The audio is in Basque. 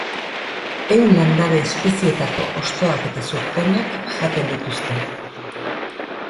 Ehun landare espezietako hostoak eta zurtoinak jaten dituzte.